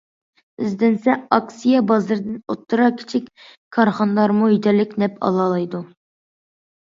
ئىزدەنسە ئاكسىيە بازىرىدىن ئوتتۇرا، كىچىك كارخانىلارمۇ يېتەرلىك نەپ ئالالايدۇ.